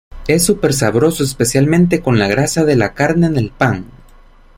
Es súper sabroso especialmente con la grasa de la carne en el pan.